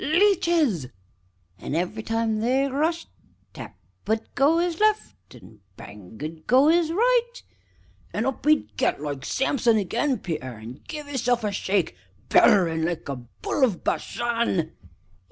leeches SIMON. And every time they rushed, tap 'ud go 'is "left," and bang 'ud go 'is "right" ANCIENT. An' up 'e'd get, like Samson again, Peter, an' give 'isself a shake; bellerin' like a bull o' Bashan SIMON.